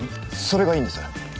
それがいいんです！